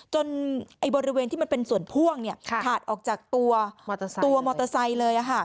บริเวณที่มันเป็นส่วนพ่วงขาดออกจากตัวมอเตอร์ไซค์เลย